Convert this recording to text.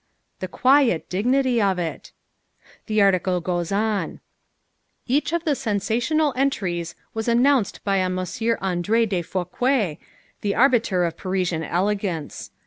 The quiet dignity of it! The article goes on: "Each of the sensational entries was announced by M. André de Fouquières, the arbiter of Parisian elegance.